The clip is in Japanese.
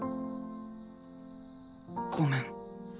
ごめん。